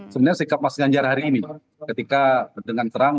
sebenarnya sikap mas ganjar hari ini ketika dengan terang